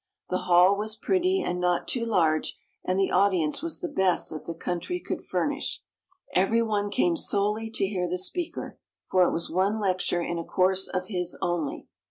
The hall was pretty and not too large, and the audience was the best that the country could furnish. Every one came solely to hear the speaker, for it was one lecture in a course of his only.